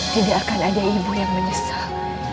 tidak akan ada ibu yang menyesal